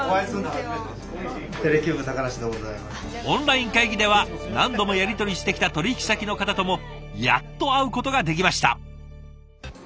オンライン会議では何度もやり取りしてきた取引先の方ともやっと会うことができました。